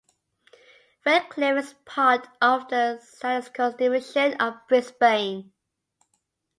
Redcliffe is part of the statistical division of Brisbane.